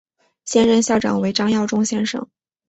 现任校长为张耀忠先生。